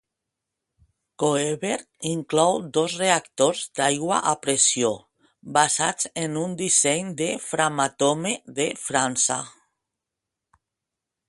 Koeberg inclou dos reactors d'aigua a pressió basats en un disseny de Framatome, de França.